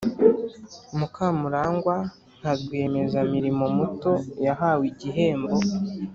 Mukamurangwa nka rwiyemezamirimo muto yahawe igihembo